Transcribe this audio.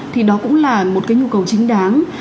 thì đó cũng là một cái nhu cầu chính đáng